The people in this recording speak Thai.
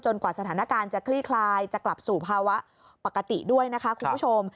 กว่าสถานการณ์จะคลี่คลายจะกลับสู่ภาวะปกติด้วยนะคะคุณผู้ชม